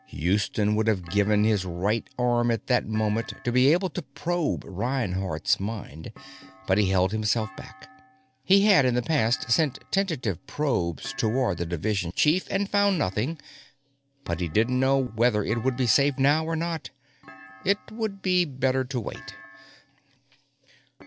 Houston would have given his right arm at that moment to be able to probe Reinhardt's mind. But he held himself back. He had, in the past, sent tentative probes toward the Division Chief and found nothing, but he didn't know whether it would be safe now or not. It would be better to wait.